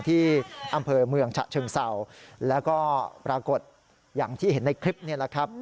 ที่อำเภอเมืองฉะเชิงเศร้าแล้วก็ปรากฏอย่างที่เห็นในคลิปนี่แหละครับ